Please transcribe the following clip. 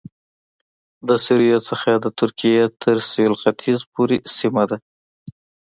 له سوریې څخه د ترکیې تر سوېل ختیځ پورې سیمه ده